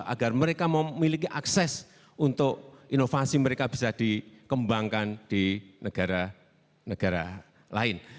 agar mereka memiliki akses untuk inovasi mereka bisa dikembangkan di negara negara lain